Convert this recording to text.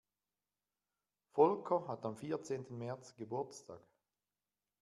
Volker hat am vierzehnten März Geburtstag.